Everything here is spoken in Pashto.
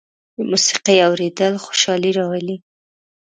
د موسيقۍ اورېدل خوشالي راولي.